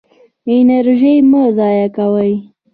انرژي مه ضایع کوه.